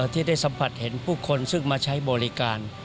ที่ได้สัมผัสเห็นผู้คนซึ่งมาใช้บริการ